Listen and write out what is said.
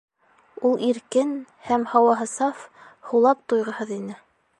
Ул иркен һәм һауаһы саф, һулап туйғыһыҙ ине.